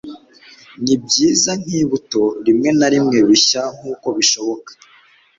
nibyiza nkibuto, rimwe na rimwe bishya nkuko bishoboka